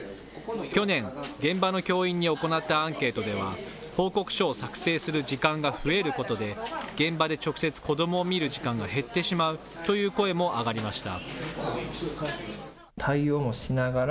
去年、現場の教員に行ったアンケートでは、報告書を作成する時間が増えることで、現場で直接子どもを見る時間が減ってしまうという声も上がりました。